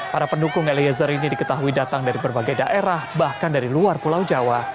para pendukung eliezer ini diketahui datang dari berbagai daerah bahkan dari luar pulau jawa